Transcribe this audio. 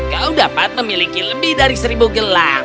kau dapat memiliki lebih dari seribu gelang